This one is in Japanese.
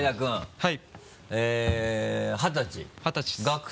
はい。